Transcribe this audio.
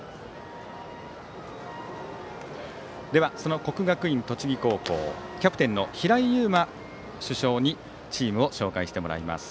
その国学院栃木高校キャプテンの平井悠馬主将にチームを紹介してもらいます。